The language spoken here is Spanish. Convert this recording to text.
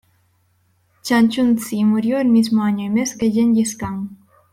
Changchun zi murió el mismo año y mes que Gengis Kan.